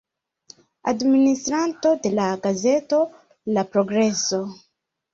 Administranto de la gazeto La Progreso.